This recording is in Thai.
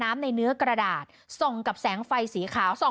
มี